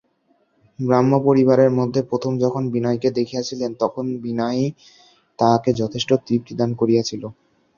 ব্রাহ্মপরিবারের মধ্যে প্রথম যখন বিনয়কে দেখিয়াছিলেন তখন বিনয়ই তাঁহাকে যথেষ্ট তৃপ্তিদান করিয়াছিল।